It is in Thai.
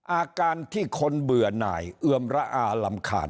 อาการที่คนเบื่อหน่ายเอือมระอารำคาญ